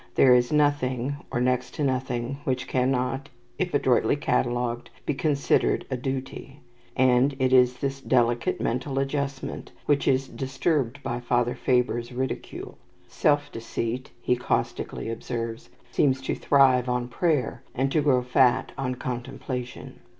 There is nothing, or next to nothing, which cannot, if adroitly catalogued, be considered a duty; and it is this delicate mental adjustment which is disturbed by Father Faber's ridicule. "Self deceit," he caustically observes, "seems to thrive on prayer, and to grow fat on contemplation."